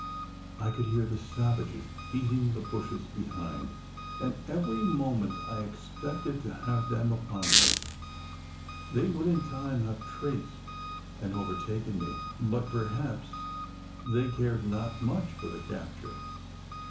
I could hear the savages beating the bushes behind; and every moment I expected to have them upon me. They would in time have traced, and overtaken me; but perhaps they cared not much for the capture.